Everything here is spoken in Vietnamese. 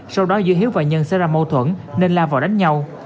sau đó giữa hiếu và nhân sẽ ra mâu thuẫn nên la vào đánh nhau